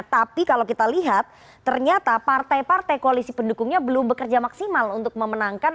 tapi kalau kita lihat ternyata partai partai koalisi pendukungnya belum bekerja maksimal untuk memenangkan